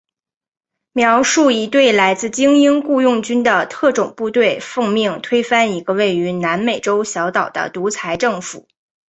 描述一队来自精英雇佣军的特种部队奉命推翻一个位于南美洲小岛的独裁政府。